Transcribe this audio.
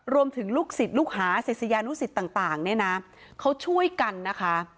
รวมถึงลูกศิษย์ลูกค้าศิษยานุศิษย์ต่างเนี่ยนะเขาช่วยกันนะคะ